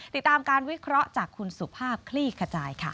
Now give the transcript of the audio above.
ติดตามการวิเคราะห์จากคุณสุภาพคลี่ขจายค่ะ